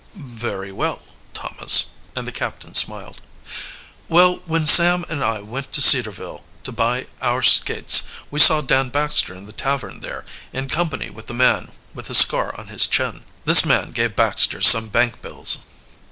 "Very well, Thomas," and the captain smiled. "Well, when Sam and I went to Cedarville to buy our skates we saw Dan Baxter in the tavern there, in company with the man with a scar on his chin. This man gave Baxter some bank bills."